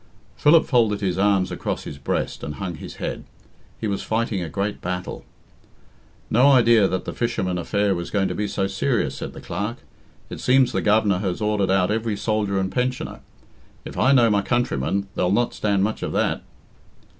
Philip folded his arms across his breast and hung his head. He was fighting a great battle. "No idea that the fisherman affair was going to be so serious," said the Clerk. "It seems the Governor has ordered out every soldier and pensioner. If I know my countrymen, they'll not stand much of that."